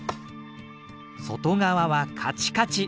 外側はカチカチ。